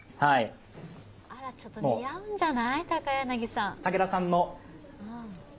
あら、ちょっと似合うんじゃない、高柳さん。